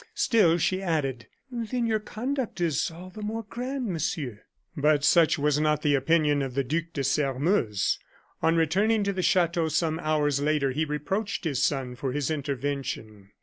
Still she added: "Then your conduct is all the more grand, Monsieur." But such was not the opinion of the Duc de Sairmeuse. On returning to the chateau some hours later he reproached his son for his intervention.